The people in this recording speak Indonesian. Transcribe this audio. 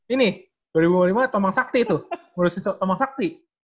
ini dua ribu lima itu tomang sakti tuh ngurusin tomang sakti